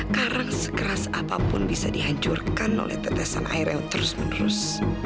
karang sekeras apapun bisa dihancurkan oleh tetesan air laut terus menerus